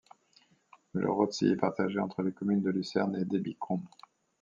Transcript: Le Rotsee est partagé entre les communes de Lucerne et d'Ebikon.